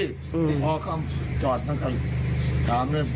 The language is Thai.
พี่พ่อเข้ามาจอดตั้งแต่๓นึง